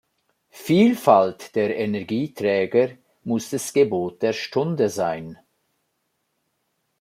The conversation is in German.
Vielfalt der Energieträger muss das Gebot der Stunde sein.